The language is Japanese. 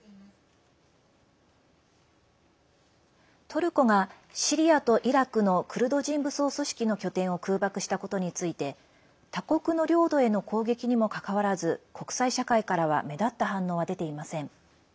トルコが、シリアとイラクのクルド人武装組織の拠点を空爆したことについて他国の領土への攻撃にもかかわらず国際社会からは目立った反応は出ていません。